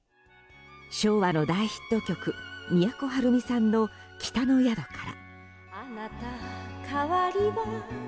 昭和の大ヒット曲都はるみさんの「北の宿から」。